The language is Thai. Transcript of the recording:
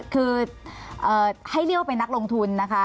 คือให้เรียกว่าเป็นนักลงทุนนะคะ